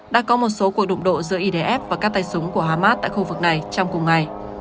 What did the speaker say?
đã có một số cuộc đụng độ giữa idf và các tay súng của hamas tại khu vực này trong cùng ngày